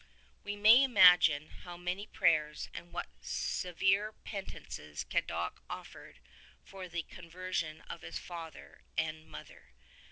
We may imagine how many prayers and what severe pen ances Cadoc offered for the conversion of his father and mother.